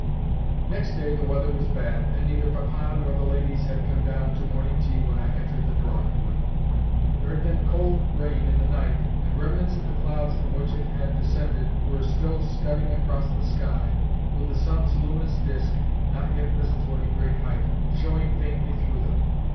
Next day the weather was bad, and neither Papa nor the ladies had come down to morning tea when I entered the drawing room. There had been cold rain in the night, and remnants of the clouds from which it had descended were still scudding across the sky, with the sun's luminous disc (not yet risen to any great height) showing faintly through them.